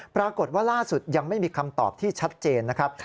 ปรากฏว่าล่าสุดยังไม่มีคำตอบที่ชัดเจนนะครับ